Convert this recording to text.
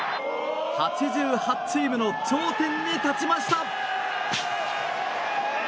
８８チームの頂点に立ちました。